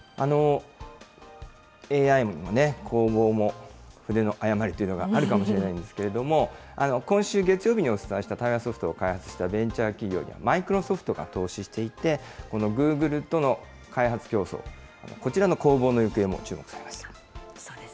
ＡＩもね、弘法も筆の誤りというのがあるかもしれないですけれども、今週月曜日にお伝えした対話ソフトを開発したベンチャー企業には、マイクロソフトが投資していて、このグーグルとの開発競争、こちらの攻防の行方も注目されます。